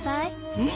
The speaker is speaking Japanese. うん？